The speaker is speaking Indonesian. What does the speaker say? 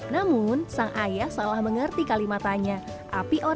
namun sang ayah salah mengerti kalimat tanya api ora om